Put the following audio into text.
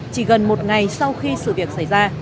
chỉ gần một ngày sau khi sự việc xảy ra